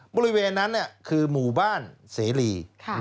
บริเวณนั้นคือหมู่บ้านเสรี